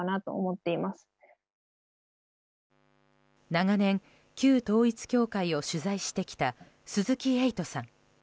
長年、旧統一教会を取材してきた鈴木エイトさん。